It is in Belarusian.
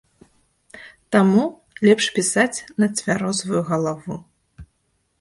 Таму лепш пісаць на цвярозую галаву.